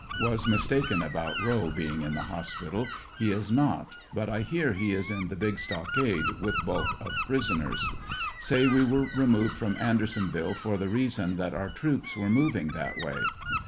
Was mistaken about Rowe being in the hospital; he is not, but I hear is in the big stockade with bulk of prisoners. Say we were removed from An dersonville for the reason that our troops were moving that way.